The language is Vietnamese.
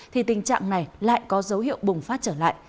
thì tình trạng này lại có dấu hiệu bùng phát trở lại